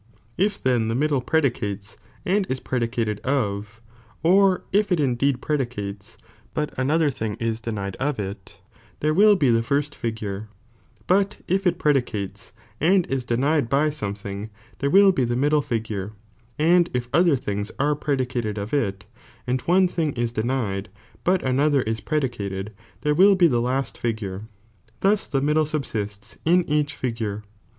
K then the middle predicates, and is predicated of, or if it indeed predicates, Auwo^n ih« but another thing is denied of it, there will be the "b"" '" "^i^h first figure, but if it predicates, and is denied by problem ik something, there will be the middle figui'e, and if Si^"^' other things are predicaled of it, and one thing is denied, but anothpr is predicated, there will be the last figure ; thus the middle subaisis in each ligure.